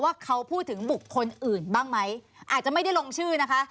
ว่าเขาพูดถึงบุคคลอื่นบ้างไหมอาจจะไม่ได้ลงชื่อนะคะ